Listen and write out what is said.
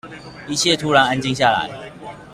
一切突然安靜下來